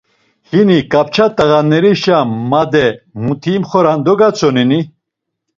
Hinik k̆apça t̆iğanerişe made muti imxoran dogatzoneni!